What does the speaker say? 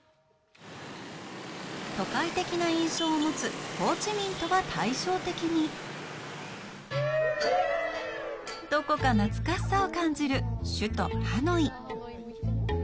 都会的な印象を持つホーチミンとは対照的に、どこか懐かしさを感じる、首都ハノイ。